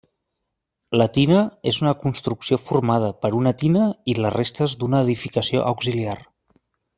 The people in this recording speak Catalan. La tina és una construcció formada per una tina i les restes d'una edificació auxiliar.